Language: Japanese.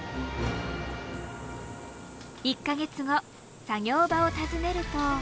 １か月後作業場を訪ねると。